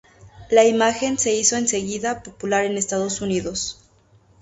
La imagen se hizo enseguida popular en Estados Unidos.